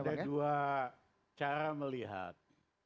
ada dua cara melihat